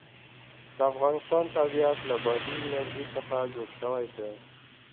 د افغانستان طبیعت له بادي انرژي څخه جوړ شوی دی.